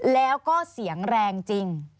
แล้วก็เสียงแรงจริง